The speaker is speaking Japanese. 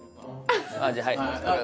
じゃあはい。